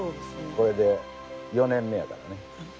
これで４年目やからね。